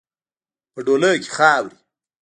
په ډولۍ کې خاروئ.